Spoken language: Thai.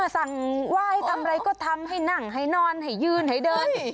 สั่งไหว้ทำอะไรก็ทำให้นั่งให้นอนให้ยืนให้เดิน